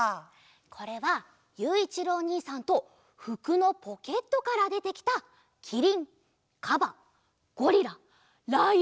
これはゆういちろうおにいさんとふくのポケットからでてきたキリンカバゴリラライオンだよ！